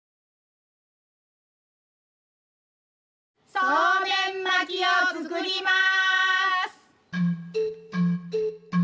そうめん巻きを作ります。